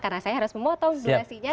karena saya harus memotong durasinya